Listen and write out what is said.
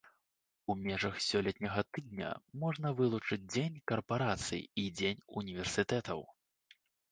У межах сёлетняга тыдня можна вылучыць дзень карпарацый і дзень універсітэтаў.